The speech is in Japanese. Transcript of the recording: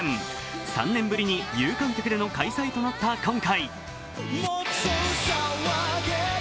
３年ぶりに有観客での開催となった今回。